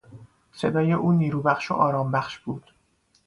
صدای او نیروبخش و آرامبخش بود.